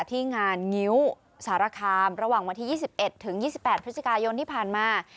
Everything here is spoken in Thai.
ที่งานงิ้วสารคามระหว่างวันที่๒๑ถึง๒๘พฤศจิกายนที่ผ่านมา